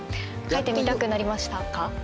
書いてみたくなりましたか？